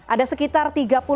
ada sekitar tiga